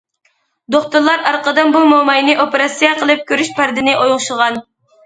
دوختۇرلار ئارقىدىن بۇ موماينى ئوپېراتسىيە قىلىپ، كۆرۈش پەردىنى ئوڭشىغان.